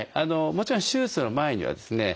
もちろん手術の前にはですね